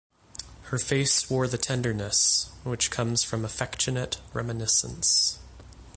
Her face wore the tenderness which comes from affectionate reminiscence.